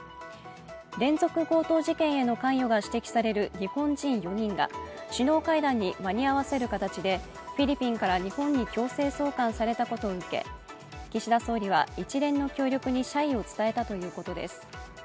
連続強盗事件への関与が指摘される日本人４人が首脳会談に間に合わせる形でフィリピンから日本に強制送還されたことを受け岸田総理は一連の協力に謝意を伝えたということです。